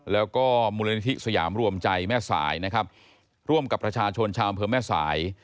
แล้วก็มูลนิธิสยามรวมใจแม่สายนะครับร่วมกับประชาชนชาวอำเภอแม่สาย